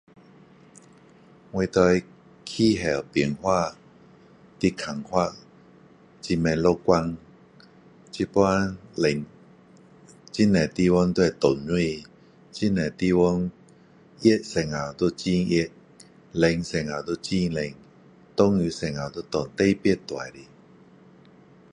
我对气候变化的看法，很不乐观。现在冷，很多地方都会涨水，很多地方热时候就很热。冷时候就很冷。下雨时候就下特别大的！